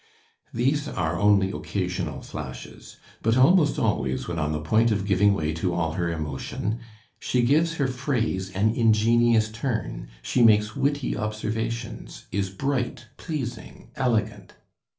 These are only occasional flashes; but almost always, when on the point of giving way to all her emotion, she gives her phrase an ingenious turn, she makes witty observations, is bright, pleasing, elegant.